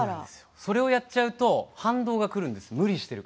それをやっちゃうと反動が出るんです。